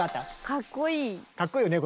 かっこいいよね